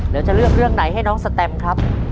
แล้วจะเลือกเรื่องไหนให้น้องสแตมครับ